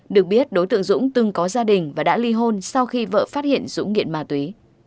được biết đối tượng dũng từng có gia đình và đã ly hôn sau khi vợ phát hiện dũng nghiện ma túy